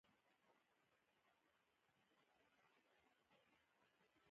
کلتور د افغانستان د صادراتو یوه ډېره مهمه او اساسي برخه جوړوي.